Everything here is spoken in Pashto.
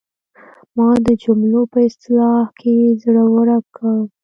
ما د جملو په اصلاح کې زړه ورک کړ.